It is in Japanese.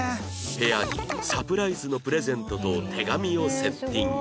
部屋にサプライズのプレゼントと手紙をセッティング